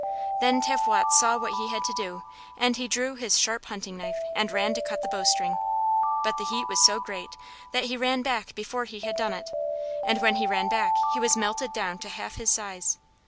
Then Tavwots saw what he had to do, and he drew his sharp hunting knife and ran to cut the bowstring. But the heat was so great that he ran back before he had done it; and when he ran back he was melted down to half his size!